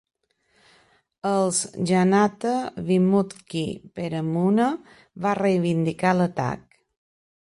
Els Janatha Vimukthi Peramuna va reivindicar l'atac.